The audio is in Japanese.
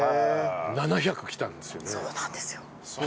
７００来たんですよね？